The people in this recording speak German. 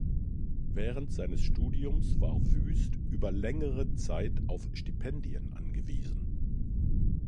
Während seines Studiums war Wüst über längere Zeit auf Stipendien angewiesen.